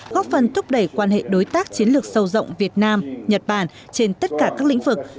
góp phần thúc đẩy quan hệ đối tác chiến lược sâu rộng việt nam nhật bản trên tất cả các lĩnh vực